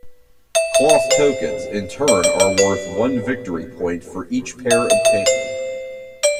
Cloth tokens, in turn, are worth one victory point for each pair obtained.